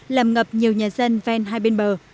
làm ngập nhiều nhà dân ven hai bên bờ